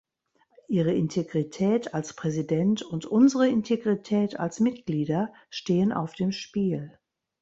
Ihre Integrität als Präsident und unsere Integrität als Mitglieder stehen auf dem Spiel.